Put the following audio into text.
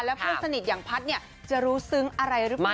เพื่อนสนิทอย่างพัฒน์จะรู้ซึ้งอะไรหรือเปล่า